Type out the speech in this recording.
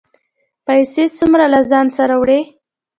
پیسې څومره له ځانه سره وړئ؟